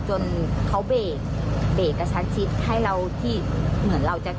จนเขาเบรกเบรกกระชั้นชิดให้เราที่เหมือนเราจะ